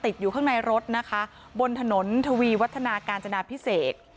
อยู่ข้างในรถนะคะบนถนนทวีวัฒนากาญจนาพิเศษ